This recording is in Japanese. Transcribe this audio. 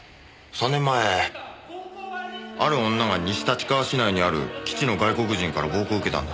３年前ある女が西立川市内にある基地の外国人から暴行を受けたんだ。